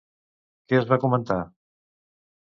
Què es va comentar?